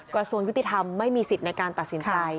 กระทรวงยุติธรรมไม่มีสิทธิ์ในการตัดสินใจ